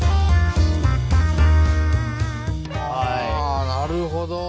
あなるほど！